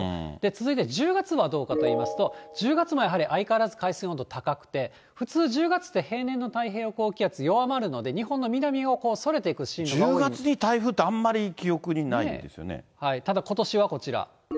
続いては１０月はどうかと言いますと、１０月もやはり相変わらず海水温度高くて、普通、１０月って平年の太平洋高気圧弱まるので、１０月に台風って、あまり記ただことしはこちら。